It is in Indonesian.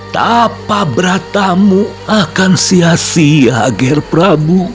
tahap pabratamu akan sia sia gerbrabu